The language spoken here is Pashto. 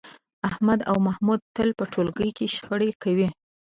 احمد او محمود تل په ټولگي کې شخړې کوي